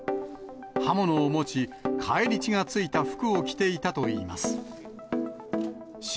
刃物を持ち、返り血が付いた服を着ていたといいます。